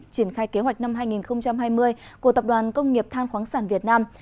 triển khai kế hoạch năm hai nghìn hai mươi của tập đoàn công nghiệp than khoáng sản việt nam